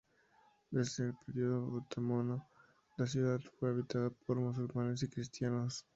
Desde el período otomano, la ciudad fue habitada por musulmanes y cristianos.